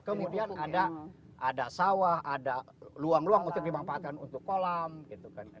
kemudian ada sawah ada luang luang untuk dimanfaatkan untuk kolam gitu kan